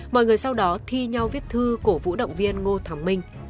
mọi người sau đó thi nhau viết thư cổ vũ động viên ngô thẩm minh